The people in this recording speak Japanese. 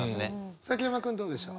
崎山君どうでしょう？